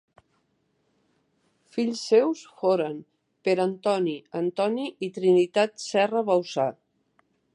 Fills seus foren Pere Antoni, Antoni i Trinitat Serra Bauçà.